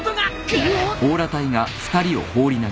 くっ！